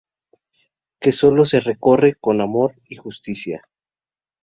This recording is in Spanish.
Que solo se recorre con amor y justicia.